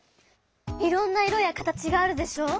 いろんな色や形があるでしょ。